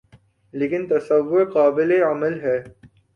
لیکن تصور قابلِعمل ہے